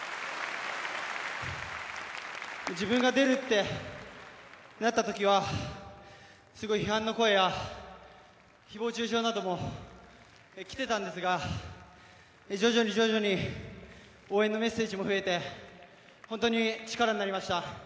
自分が出るってなった時はすごい、批判の声や誹謗中傷なども来ていたんですが徐々に、徐々に応援のメッセージも増えて本当に力になりました。